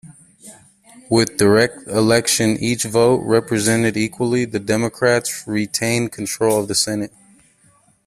With direct election, each vote represented equally, the Democrats retained control of the Senate.